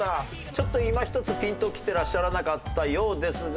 ちょっといまひとつピンときてらっしゃらなかったようですが。